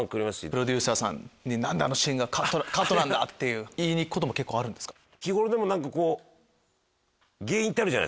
プロデューサーさんに「何でカットなんだ⁉」って言いに行くことも結構あるんですか？